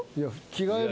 着替える？